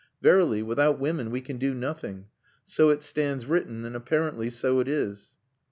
Verily, without women we can do nothing. So it stands written, and apparently so it is."